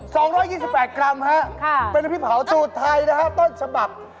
๒๒๘กรัมค่ะเป็นพริกเผาสูตรไทยนะครับต้นฉบับ